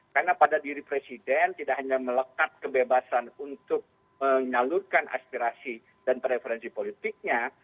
karena pada diri presiden tidak hanya melekat kebebasan untuk menyalurkan aspirasi dan preferensi politiknya